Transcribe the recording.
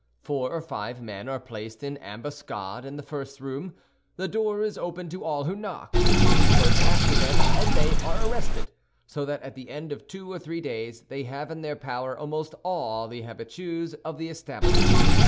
Four or five men are placed in ambuscade in the first room. The door is opened to all who knock. It is closed after them, and they are arrested; so that at the end of two or three days they have in their power almost all the habitués of the establishment.